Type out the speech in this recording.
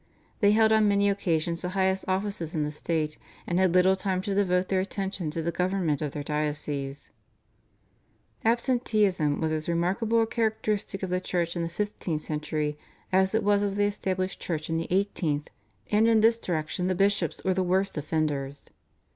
They held on many occasions the highest offices in the state, and had little time to devote their attention to the government of their dioceses. Absenteeism was as remarkable a characteristic of the Church in the fifteenth century as it was of the Established Church in the eighteenth, and in this direction the bishops were the worst offenders.